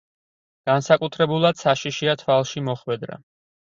განსაკუთრებულად საშიშია თვალში მოხვედრა.